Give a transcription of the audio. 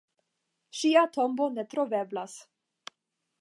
Ŝia tombo ne troveblas.